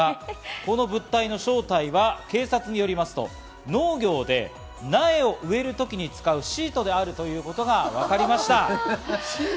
この物体の正体は警察によりますと、農業で苗を植えるときに使うシートであるということがわかりました。